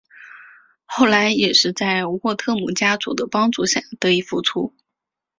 后来也是在沃特姆家族的帮助下得以复出。